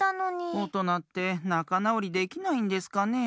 おとなってなかなおりできないんですかねえ。